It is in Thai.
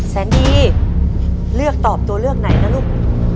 แสนดีเลือกตอบตัวเลือกไหนนะลูก